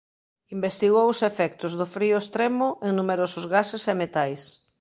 Investigou os efectos do frío extremo en numerosos gases e metais.